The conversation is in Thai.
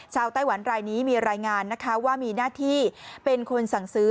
ไต้หวันรายนี้มีรายงานนะคะว่ามีหน้าที่เป็นคนสั่งซื้อ